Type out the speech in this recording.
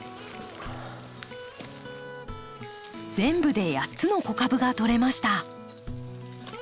全部で８つの子株がとれました。